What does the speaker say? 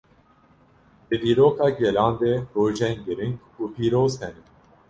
Di dîroka gelan de rojên giring û pîroz hene.